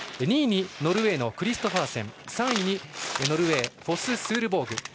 ２位にノルウェーのクリストファーセン３位にフォススールボーグ。